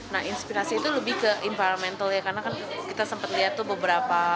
nah inspirasi itu lebih ke environmental ya karena kan kita sempat lihat tuh beberapa